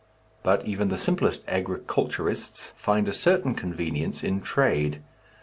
But even the simplest agriculturists find a certain convenience in trade.